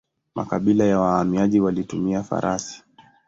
Makabila ya wahamiaji walitumia farasi.